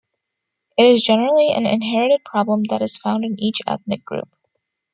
It is generally an inherited problem that is found in each ethnic group.